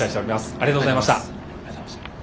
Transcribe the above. ありがとうございます。